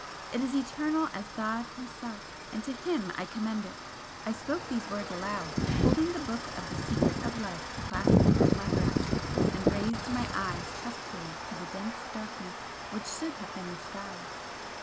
it is eternal as God Himself, and to Him I commend it!" I spoke these words aloud, holding the book of the 'Secret of Life' clasped to my breast and raised my eyes trustfully to the dense darkness which should have been the sky.